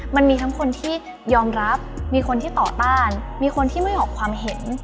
มันมีทั้งคนที่ยอมรับมีคนที่ต่อต้านมีคนที่ไม่ออกความเห็น